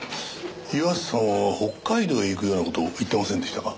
岩瀬さんは北海道へ行くような事を言ってませんでしたか？